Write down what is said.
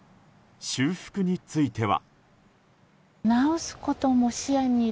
修復については。